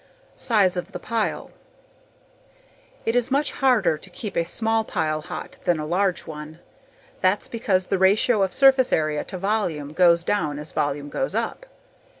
Size of the pile. It is much harder to keep a small object hot than a large one. That's because the ratio of surface area to volume goes down as volume goes up.